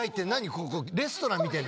ここレストランみたいに。